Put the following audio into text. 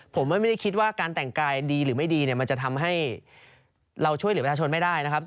ผมไม่ได้คิดว่าการแต่งกายดีหรือไม่ดีเนี่ยมันจะทำให้เราช่วยเหลือประชาชนไม่ได้นะครับ